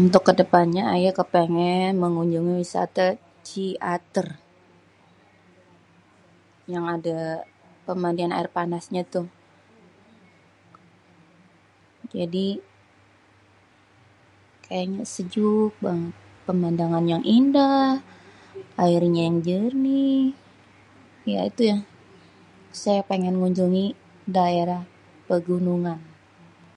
Untuk ke depannya ayé kepengen mengunjungi wisate Ciater yang adè pemandian aèr panasnya tuh. Jadi kayaknya sejuk banget, pemandangannya indah, airnya yang jernih. Ya itu saya pengen ngunjungi daerah pegunungan.